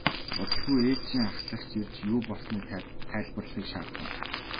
Удалгүй ээлжийн ахлагч ирж юу болсныг тайлбарлахыг шаардав.